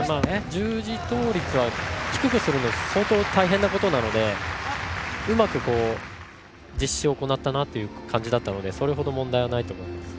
十字倒立は低くするのも相当大変なことなのでうまく実施を行ったなという感じだったのでそれほど問題はないと思います。